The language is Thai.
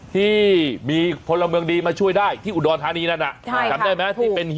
ที่มีพลเมืองดีมาช่วยได้ที่อุดรฐานีนั่น